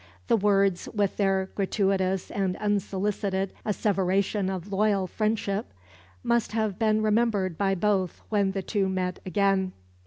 The words, with their gratuitous and unsolicited asseveration of loyal friendship, must have been remembered by both when the two met again.